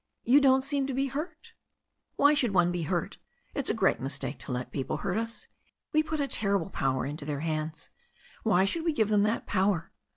You don't seem to be hurt." "Why should one be hurt? It's a great mistake to let people hurt us. We put a terrible power into their hands. Why should we give them that power?